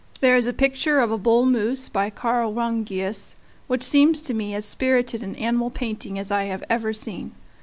There is a picture of a bull moose by Carl Rungius, which seems to me as spirited an animal painting as I have ever seen.